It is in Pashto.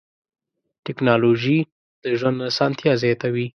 ټکنالوجي د ژوند اسانتیا زیاتوي.